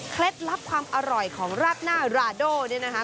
ลับความอร่อยของราดหน้าราโดเนี่ยนะคะ